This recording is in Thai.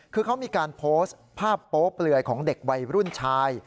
คือเขามีการโพสต์ภาพโป๊เปลือยของเด็กวัยรุ่นชาย